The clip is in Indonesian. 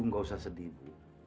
ibu gak usah sedih ibu